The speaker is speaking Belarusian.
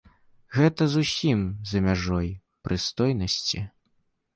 Гэта зусім за мяжой прыстойнасці.